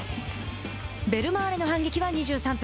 ベルマーレの反撃は２３分。